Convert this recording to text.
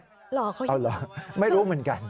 หรอเขายังไม่รู้เหมือนกัน